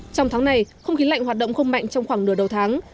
trong tháng này không khí lạnh hoạt động không mạnh trong khoảng nửa đầu tháng